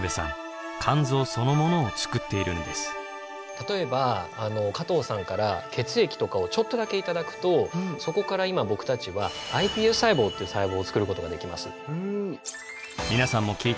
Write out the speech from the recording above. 例えば加藤さんから血液とかをちょっとだけ頂くとそこから今僕たちはｉＰＳ細胞っていう細胞を作ることができます。